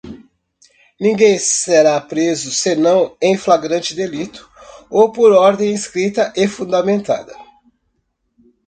ninguém será preso senão em flagrante delito ou por ordem escrita e fundamentada